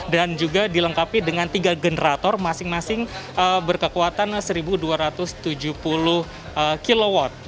dan juga dilengkapi dengan tiga generator masing masing berkekuatan seribu dua ratus tujuh puluh kw